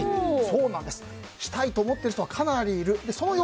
したいと思っている人はかなりいる。